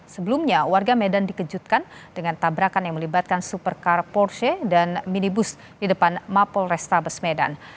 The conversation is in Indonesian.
sebelumnya warga medan dikejutkan dengan tabrakan yang melibatkan supercar porsche dan minibus di depan mapol restabes medan